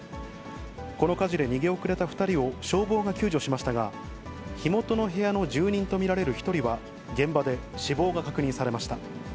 この火事で逃げ遅れた２人を消防が救助しましたが、火元の部屋の住人と見られる１人は、現場で死亡が確認されました。